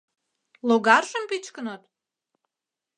— Логаржым пӱчкыныт?